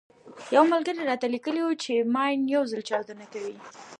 يو ملګري راته ليکلي وو چې ماين يو ځل چاودنه کوي.